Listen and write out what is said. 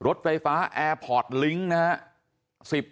รถไฟฟ้าแอร์พอร์ตลิงก์นะครับ